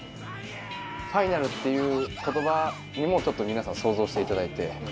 「ファイナル」っていう言葉にも皆さん想像していただいて。